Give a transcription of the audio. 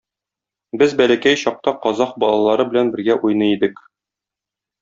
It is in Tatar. Без бәләкәй чакта казах балалары белән бергә уйный идек.